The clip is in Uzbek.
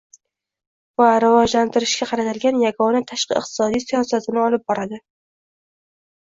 va rivojlantirishga qaratilgan yagona tashqi iqtisodiy siyosatini olib boradi